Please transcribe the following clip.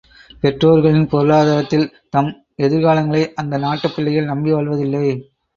பெற்றோர்களின் பொருளாதாரத்தில் தம் எதிர்காலங்களை அந்த நாட்டுப் பிள்ளைகள் நம்பி வாழ்வதில்லை.